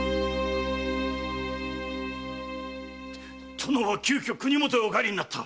殿は急遽国許へお帰りになった。